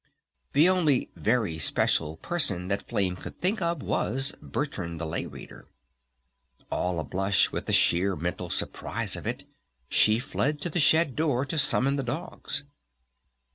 The only "Very Special" person that Flame could think of was "Bertrand the Lay Reader." All a blush with the sheer mental surprise of it she fled to the shed door to summon the dogs.